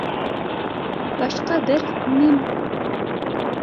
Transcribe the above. Башҡа бер Мим